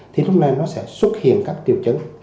thì lúc này nó sẽ xuất hiện các triệu chứng